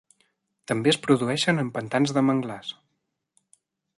També es produeixen en pantans de manglars.